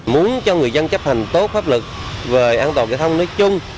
muốn cho người dân chấp hành tốt pháp luật về an toàn giao thông nói chung